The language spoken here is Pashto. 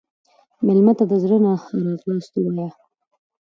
مېلمه ته د زړه نه ښه راغلاست ووایه.